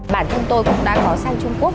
bản thân tôi cũng đã có sang trung quốc